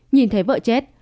nhìn thấy vợ chết